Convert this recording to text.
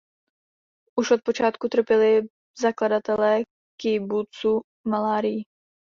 Už od počátku trpěli zakladatelé kibucu malárií.